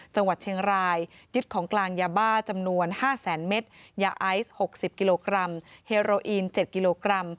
จังหวัดเชียงรายยึดของกลางยาบ้าจำนวน๕แสนเมตรยาไอซ์๖๐กิโลกรัมเฮโรอีน๗กิโลกรัม